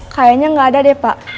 kayaknya nggak ada deh pak